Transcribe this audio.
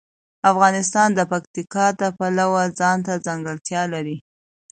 افغانستان د پکتیکا د پلوه ځانته ځانګړتیا لري.